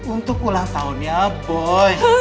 untuk ulang tahunnya boy